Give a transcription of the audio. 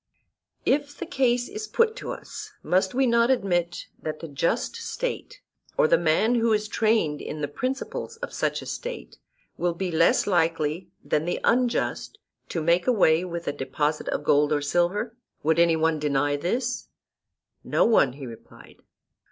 If the case is put to us, must we not admit that the just State, or the man who is trained in the principles of such a State, will be less likely than the unjust to make away with a deposit of gold or silver? Would any one deny this? No one, he replied.